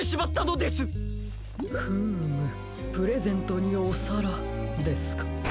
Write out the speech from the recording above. フームプレゼントにおさらですか。